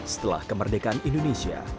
setelah kemerdekaan indonesia